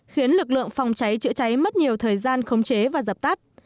khiến lực lượng phòng cháy chữa cháy mất nhiều thời gian khống chế và dập tắt